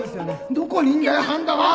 どこにいんだよ半田は！